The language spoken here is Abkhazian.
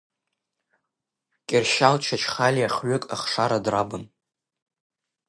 Кьыршьал Чачхалиа хҩык ахшара драбын.